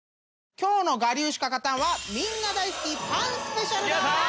今日の『我流しか勝たん！』はみんな大好きパンスペシャルだ！